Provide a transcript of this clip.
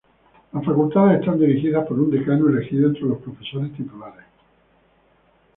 Las facultades estás dirigidas por un decano elegido entre los profesores titulares.